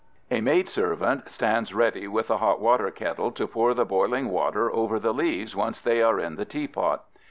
A maidservant stands ready with the hot water kettle to pour the boiling water over the leaves once they are in the teapot.